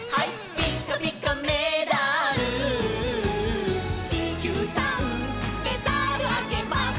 「ピッカピカメダル」「ちきゅうさんメダルあげます」